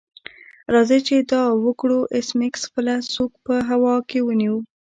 راځئ چې دا وکړو ایس میکس خپله سوک په هوا کې ونیو